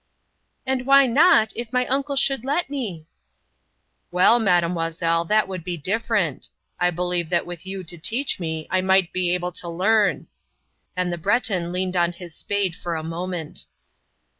"And why not, if my uncle should let me?" "Well, Mademoiselle, that would be different. I believe that with you to teach me I might be able to learn," and the Breton leaned on his spade for a moment.